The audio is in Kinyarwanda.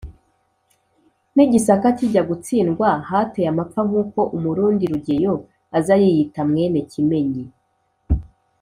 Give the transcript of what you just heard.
n’igisaka kijya gutsindwa hateya amapfa nk’uko, umurundi rugeyo aza yiyita mwene kimenyi,